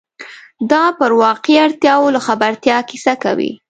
دا پر واقعي اړتیاوو له خبرتیا کیسه کوي.